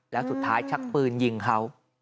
แล้วสุดท้ายชักปืนยิงเขา